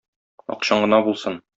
Акчаң гына булсын!